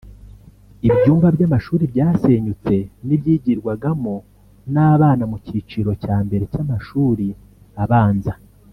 Ibyumba by’amashuri byasenyutse n’ibyigirwagamo n’abana mu cyiciro cya mbere cy’amashuri abanza